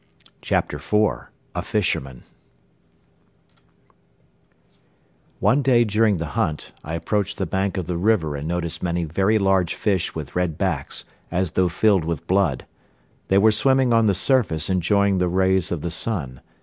CHAPTER IV A FISHERMAN One day during the hunt, I approached the bank of the river and noticed many very large fish with red backs, as though filled with blood. They were swimming on the surface enjoying the rays of the sun.